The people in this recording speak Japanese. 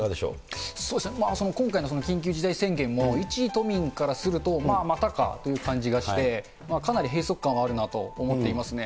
今回の緊急事態宣言も、一都民からすると、まあまたかという感じがして、かなり閉塞感はあるなと思っていますね。